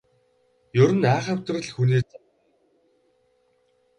Ер нь айхавтар л хүний зан даа.